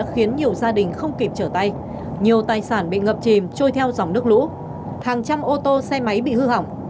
khiến nhiều gia đình không kịp trở tay nhiều tài sản bị ngập chìm trôi theo dòng nước lũ hàng trăm ô tô xe máy bị hư hỏng